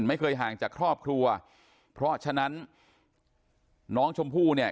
ไม่เคยห่างจากครอบครัวเพราะฉะนั้นน้องชมพู่เนี่ย